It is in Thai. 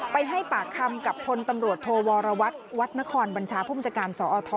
ไปให้ปากคำกับพลตำรวจโทวรวัตรวัดนครบัญชาภูมิชาการสอท